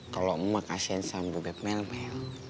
kalau mak kasian sama bebek melmel